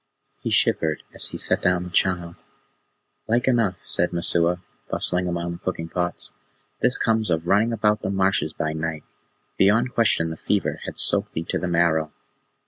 He shivered as he set down the child. "Like enough," said Messua, bustling among the cooking pots. "This comes of running about the marshes by night. Beyond question, the fever had soaked thee to the marrow."